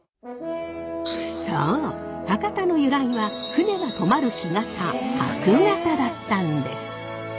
そう博多の由来は船が泊まる干潟泊潟だったんです。